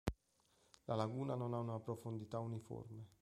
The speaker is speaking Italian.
La laguna non ha una profondità uniforme.